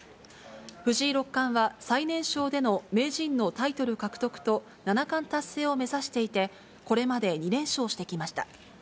藤井六冠は、最年少での名人のタイトル獲得と、七冠達成を目指していて、これまで２連勝してきました。